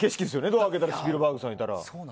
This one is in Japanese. ドア開けたらスピルバーグさんがいたら。